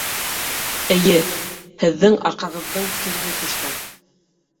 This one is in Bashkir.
Эйе, һеҙҙең арҡағыҙҙың тиреһе төшкән